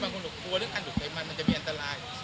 ศึกษาดีไม่ว่าอันดุ๋ใดมันมันจะมีอันตราย